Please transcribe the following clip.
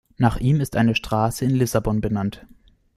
Nach ihm ist eine Straße in Lissabon benannt.